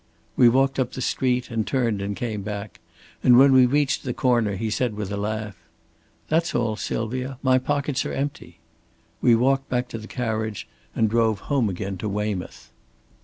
We walked up the street and turned and came back, and when we reached the corner he said with a laugh, 'That's all, Sylvia. My pockets are empty.' We walked back to the carriage and drove home again to Weymouth."